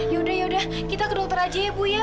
yaudah yaudah kita ke dokter aja ya bu ya